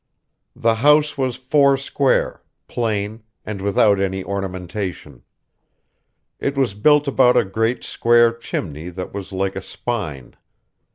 The house was four square, plain, and without any ornamentation. It was built about a great, square chimney that was like a spine.